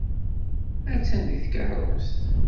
Attan deg tkeṛṛust.